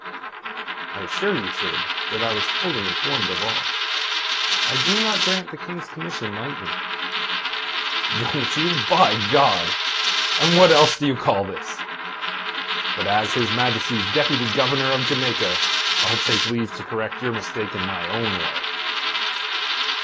"I assure you, sir, that I was fully informed of all. I do not grant the King's commission lightly." "Don't you, by God! And what else do you call this? But as His Majesty's Deputy Governor of Jamaica, I'll take leave to correct your mistake in my own way."